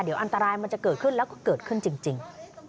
เดี๋ยวอันตรายมันจะเกิดขึ้นแล้วก็เกิดขึ้นจริง